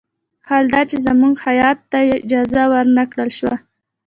حال دا چې زموږ هیات ته اجازه ور نه کړل شوه.